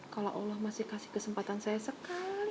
kalau allah masih kasih kesempatan saya sekali